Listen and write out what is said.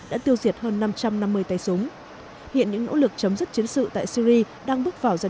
đã tiêu diệt hơn năm trăm năm mươi tay súng hiện những nỗ lực chấm dứt chiến sự tại syri đang bước vào giai